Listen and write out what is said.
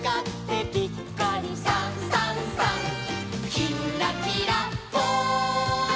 「きんらきらぽん」